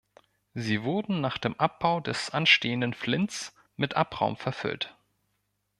Sie wurden nach dem Abbau des anstehenden Flints mit Abraum verfüllt.